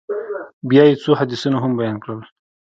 بيا يې څو حديثونه هم بيان کړل.